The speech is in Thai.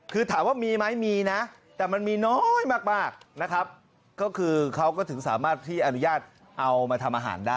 คือถามว่ามีไหมมีนะแต่มันมีน้อยมากนะครับก็คือเขาก็ถึงสามารถที่อนุญาตเอามาทำอาหารได้